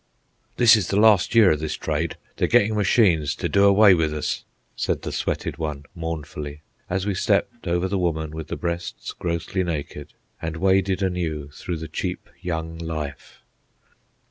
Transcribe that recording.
"This is the last year of this trade; they're getting machines to do away with us," said the sweated one mournfully, as we stepped over the woman with the breasts grossly naked and waded anew through the cheap young life.